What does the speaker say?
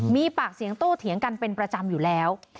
มีปากเสียงโต้เถียงกันเป็นประจำอยู่แล้ว